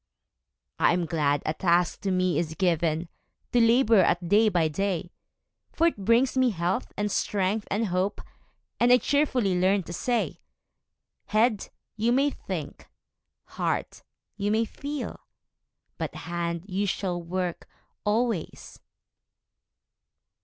I am glad a task to me is given To labor at day by day; For it brings me health, and strength, and hope, And I cheerfully learn to say 'Head, you may think; heart, you may feel; But hand, you shall work always!'